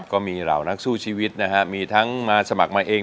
ก็มีเหล่านักสู้ชีวิตนะฮะมีทั้งมาสมัครมาเอง